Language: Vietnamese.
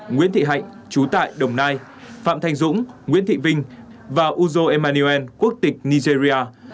nguyễn thị hạnh chú tại đồng nai phạm thanh dũng nguyễn thị vinh và uzo emmaniuel quốc tịch nigeria